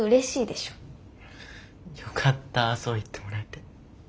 よかったそう言ってもらえて。